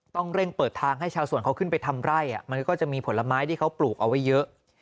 ต้องเร่งเปิดทางให้ชาวสวนเขาขึ้นไปทำไร่มันก็จะมีผลไม้ที่เขาปลูกเอาไว้เยอะ